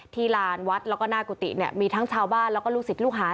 ที่ลานวัดแล้วก็หน้ากุฏิมีทั้งชาวบ้านแล้วก็ลูกสิทธิ์ลูกหา